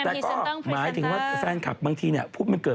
อย่างนี้อย่างนี้อย่างนี้อย่างนี้อย่างนี้อย่างนี้อย่างนี้